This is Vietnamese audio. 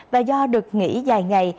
và do được nghỉ dài ngày